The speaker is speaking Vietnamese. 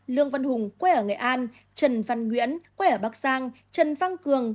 lương văn hùng quê ở nghệ an trần văn nguyễn quê ở bắc giang trần văn cường